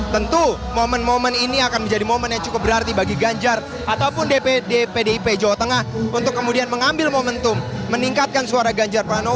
tentu momen momen ini akan menjadi momen yang cukup berarti bagi ganjar ataupun dpd pdip jawa tengah untuk kemudian mengambil momentum meningkatkan suara ganjar pranowo